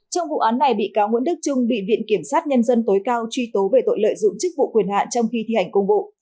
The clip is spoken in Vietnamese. trong vụ án này bị cáo nguyễn đức trung bị viện kiểm sát nhân dân tối cao truy tố về tội lợi dụng chức vụ quyền hạn trong khi thi hành công vụ